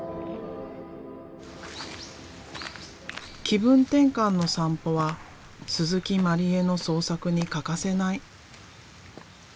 気分転換の散歩は万里絵の創作に欠かせない。